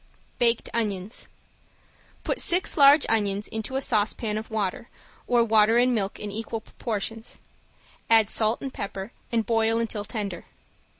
~BAKED ONIONS~ Put six large onions into a saucepan of water, or water and milk in equal proportions, add salt and pepper and boil until tender.